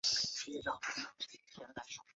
本区议席一直为保守党控制。